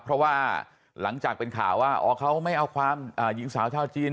เพราะว่าหลังจากเป็นข่าวว่าอ๋อเขาไม่เอาความหญิงสาวชาวจีน